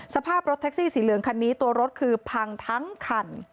สภาพรถแท็กซี่สีเหลืองคันนี้ตัวรถคือพังทั้งคัน